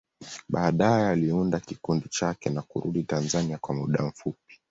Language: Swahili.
Baadaye, aliunda kikundi chake na kurudi Tanzania kwa muda mfupi.